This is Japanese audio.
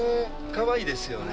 かわいいですよね。